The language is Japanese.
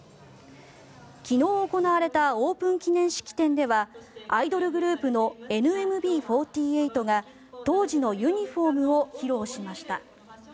昨日行われたオープン記念式典ではアイドルグループのＮＭＢ４８が当時のユニホームを披露しました。